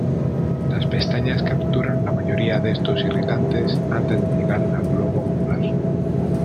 Las pestañas capturan la mayoría de estos irritantes antes de llegar al globo ocular.